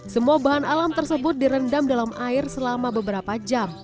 semua bahan alam tersebut direndam dalam air selama beberapa jam